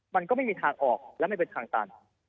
มันก็ไม่มีทางออกและไม่เป็นทางตัน